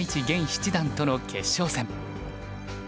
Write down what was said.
現七段との決勝戦。